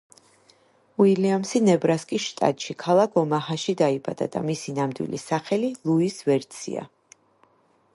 უილიამსი ნებრასკის შტატში, ქალაქ ომაჰაში დაიბადა და მისი ნამდვილი სახელი ლუის ვერცია.